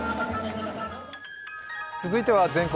続いては「全国！